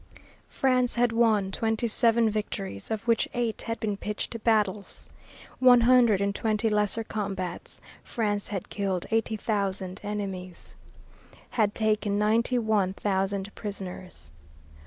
France had won twenty seven victories, of which eight had been pitched battles. One hundred and twenty lesser combats. France had killed eighty thousand enemies. Had taken ninety one thousand prisoners.